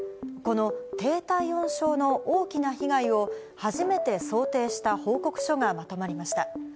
この低体温症の大きな被害を、初めて想定した報告書がまとまりました。